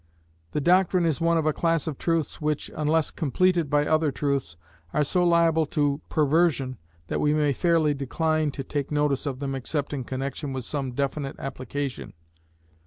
The doctrine is one of a class of truths which, unless completed by other truths, are so liable to perversion, that we may fairly decline to take notice of them except in connexion with some definite application.